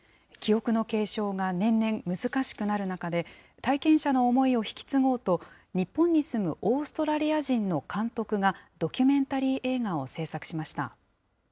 記憶の継承が年々難しくなる中で、体験者の思いを引き継ごうと、日本に住むオーストラリア人の監督が、ドキュメンタリー映画を製作しました。